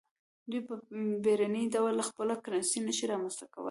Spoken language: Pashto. دوی په بیړني ډول خپله کرنسي نشي رامنځته کولای.